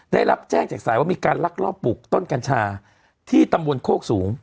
ได้รับแจ้งจากสายว่ามีการลักลอบปลูกต้นกัญชาที่ตำบลโคกสูง